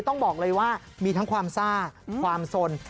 ต้องบอกเลยว่ามีทั้งความซ่าความสน